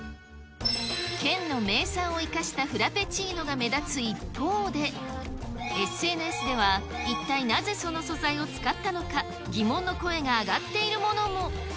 県の名産を生かしたフラペチーノが目立つ一方で、ＳＮＳでは、一体なぜその素材を使ったのか、疑問の声が上がっているものも。